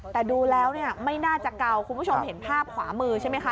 แต่ดูแล้วเนี่ยไม่น่าจะเก่าคุณผู้ชมเห็นภาพขวามือใช่ไหมคะ